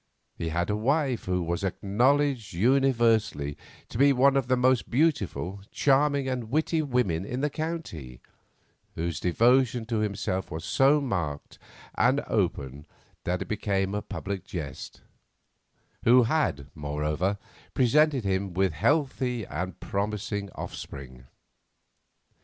He had a wife who was acknowledged universally to be one of the most beautiful, charming, and witty women in the county, whose devotion to himself was so marked and open that it became a public jest; who had, moreover, presented him with healthy and promising offspring.